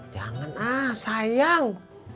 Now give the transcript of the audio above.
jangan ah sayang